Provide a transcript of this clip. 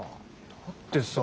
だってさ。